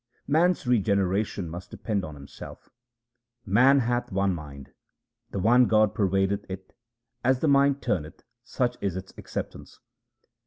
Man's regeneration must depend on himself :— Man hath one mind ; the one God pervadeth it ; as the mind turneth, 3 such is its acceptance.